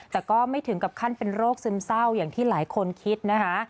แต่ก็ไม่ถึงกับขั้นเป็นโรคซึมเศร้าอย่างที่หลายคนคิดนะคะ